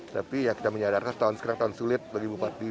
tapi kita menyadarkan sekarang tahun sulit bagi bupati